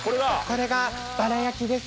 これがバラ焼きです。